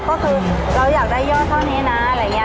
ก็คือเราอยากได้ยอดเท่านี้นะ